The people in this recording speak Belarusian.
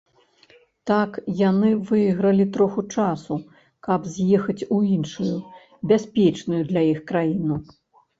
Так яны выйгралі трохі часу, каб з'ехаць у іншую бяспечную для іх краіну.